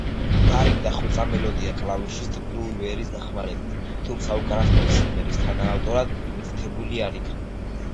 ბარიმ დახვეწა მელოდია კლავიშისტ ბლუ უივერის დახმარებით, თუმცა უკანასკნელი სიმღერის თანაავტორად მითითებული არ იქნა.